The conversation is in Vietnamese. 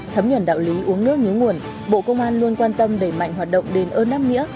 thấm nhuận đạo lý uống nước nhớ nguồn bộ công an luôn quan tâm đẩy mạnh hoạt động đền ơn đáp nghĩa